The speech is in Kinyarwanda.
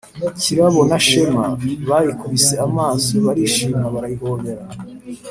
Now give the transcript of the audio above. karabo na shema bayikubise amaso, barishima, barayihobera